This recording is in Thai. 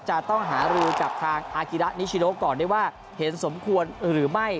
จะต้องหารือกับทางอากิระนิชิโนก่อนได้ว่าเห็นสมควรหรือไม่